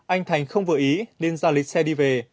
anh thành không vừa ý nên ra lịch xe đi về